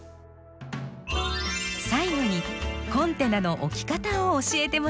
最後にコンテナの置き方を教えてもらいましょう。